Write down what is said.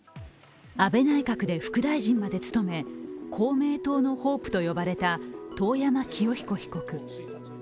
安倍内閣で副大臣まで務め公明党のホープと呼ばれた遠山清彦被告。